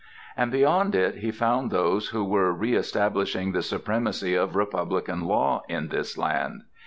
And beyond it he found those who were re establishing the supremacy of republican law in this land.